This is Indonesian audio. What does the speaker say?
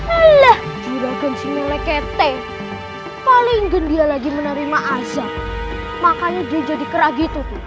alah juragan sini leketeh paling genggih lagi menerima azab makanya dia jadi kera gitu